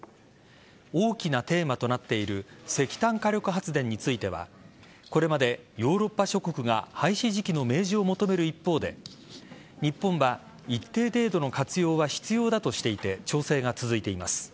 大きなテーマとなっている石炭火力発電についてはこれまでヨーロッパ諸国が廃止時期の明示を求める一方で日本は、一定程度の活用は必要だとしていて調整が続いています。